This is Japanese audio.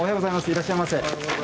いらっしゃいませ。